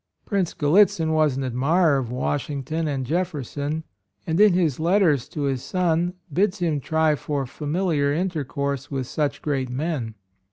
Prince Gallitzin was an admirer of Washington and Jefferson, and in his letters to his son bids him try for familiar intercourse with such great men.